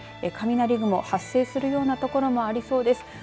雷雲、発生するような所もありそうです。